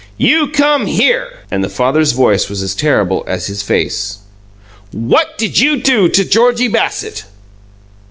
"You come here!" And the father's voice was as terrible as his face. "WHAT DID YOU DO TO GEORGIE BASSETT?"